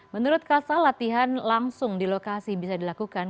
menurut kasal latihan langsung di lokasi bisa dilakukan